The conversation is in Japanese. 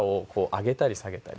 上げたり下げたり。